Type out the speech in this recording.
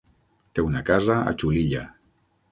Té una casa a Xulilla.